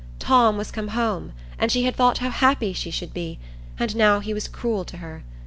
Tom was come home, and she had thought how happy she should be; and now he was cruel to her.